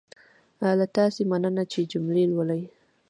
له تاسې مننه چې جملې لولئ.